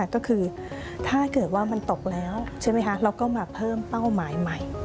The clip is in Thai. ก็คือถ้าเกิดว่ามันตกแล้วใช่ไหมคะเราก็มาเพิ่มเป้าหมายใหม่